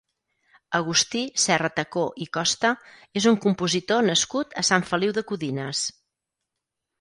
Agustí Serratacó i Costa és un compositor nascut a Sant Feliu de Codines.